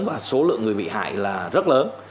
và số lượng người bị hại là rất lớn